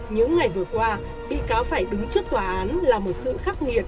những ngày vừa qua bị cáo phải đứng trước tòa án là một sự khắc nghiệt